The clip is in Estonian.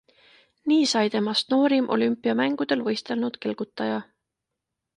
Nii sai temast noorim olümpiamängudel võistelnud kelgutaja.